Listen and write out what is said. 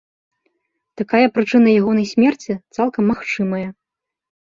Такая прычына ягонай смерці цалкам магчымая.